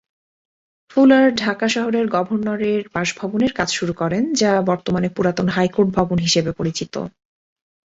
Fuller Dhaka শহরের গভর্নরের বাসভবনের কাজ শুরু করেন, যা বর্তমানে পুরাতন হাইকোর্ট ভবন হিসেবে পরিচিত।